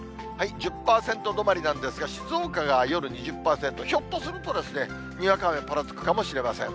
１０％止まりなんですが、静岡が夜２０％、ひょっとすると、にわか雨、ぱらつくかもしれません。